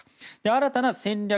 新たな戦略